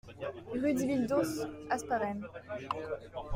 Rue Dibildos, Hasparren